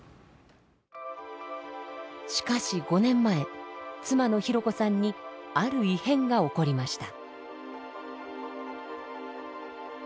しかし５年前妻のひろこさんにある異変が起こりました。